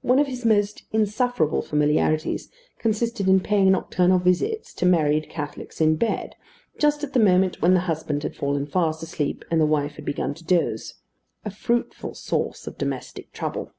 One of his most insufferable familiarities consisted in paying nocturnal visits to married Catholics in bed, just at the moment when the husband had fallen fast asleep, and the wife had begun to doze; a fruitful source of domestic trouble.